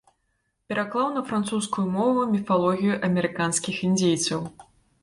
Пераклаў на французскую мову міфалогію амерыканскіх індзейцаў.